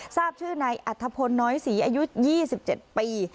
ทราบชื่อไหนอัตภพลน้อยสีอายุ๒๗ปี